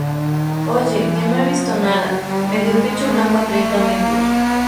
oye, que no he visto nada, medio pecho blanco a treinta metros.